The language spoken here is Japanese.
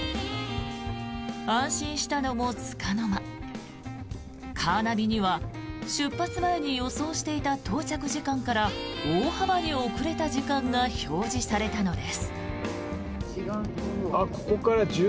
安心したのもつかの間カーナビには出発前に予想していた到着時間から大幅に遅れた時間が表示されたのです。